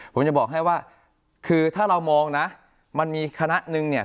ผมจะบอกให้ว่าคือถ้าเรามองนะมันมีคณะหนึ่งเนี่ย